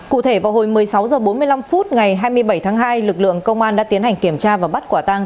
cụ thể vào hồi một mươi sáu h bốn mươi năm phút ngày hai mươi bảy tháng hai lực lượng công an đã tiến hành kiểm tra và bắt quả tăng